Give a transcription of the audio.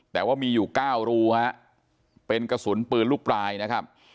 แต่ว่ามีอยู่๙รูฮะเป็นกระสุนปืนลูกปลายนะครับ